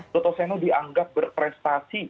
broto senok dianggap berprestasi